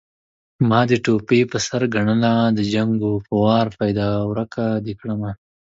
ما دې ټوپۍ په سر ګڼله د جنکو په وار پيدا ورکه دې کړمه